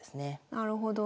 なるほど。